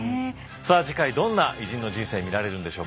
さあ次回どんな偉人の人生見られるんでしょうか。